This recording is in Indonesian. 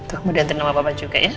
tuh boleh anterin sama papa juga ya